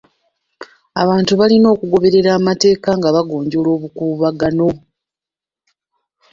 Abantu balina okugoberera amateeka nga bagonjoola obukuubagano..